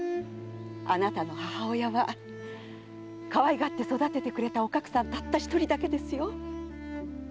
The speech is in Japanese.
あなたの母親はかわいがって育ててくれたおかくさん一人だけですよ。